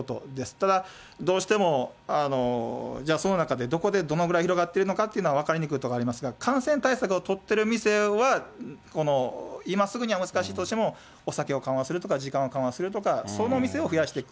ただ、どうしても、じゃあ、その中でどこでどのぐらい広がっているのかということは分かりにくいところがありますが、感染対策を取っている店は、今すぐには難しいとしても、お酒を緩和するとか、時間を緩和するとか、そのお店を増やしていく。